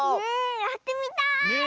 やってみたい！